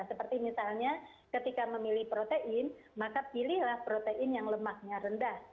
seperti misalnya ketika memilih protein maka pilihlah protein yang lemaknya rendah